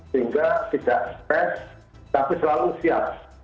sehingga tidak stres tapi selalu siap